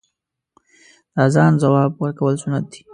د اذان ځواب ورکول سنت دی .